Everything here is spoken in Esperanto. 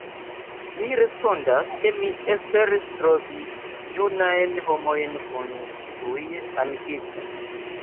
Mi respondas, ke mi esperis trovi junajn homojn kun kiuj amikiĝi.